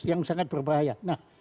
yang sangat berbahaya